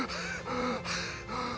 ああ。